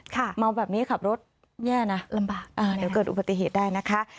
เมาแบบนี้ขับรถแย่นะลำบากอ่าเดี๋ยวเกิดอุบัติเหตุได้นะคะ